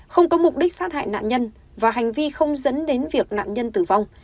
không có mục đích sát hại nạn nhân và hành vi không dẫn đến việc nạn nhân tử vong